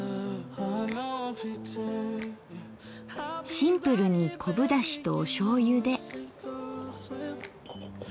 シンプルに昆布だしとお醤油で。